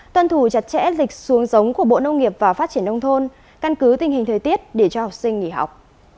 toàn thủ chặt chẽ lịch xuống sống của bộ nông nghiệp và phát triển đông thôn căn cứ tình hình thời tiết để cho học sinh nghỉ học